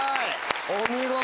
お見事。